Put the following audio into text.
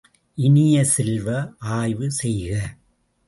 இனிய செல்வ, ஆய்வு செய்க!